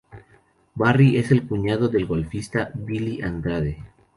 Barry es el cuñado del golfista Billy Andrade.